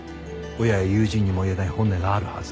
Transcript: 親や友人にも言えない本音があるはず。